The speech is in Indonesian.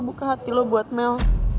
buka hati lo buat mel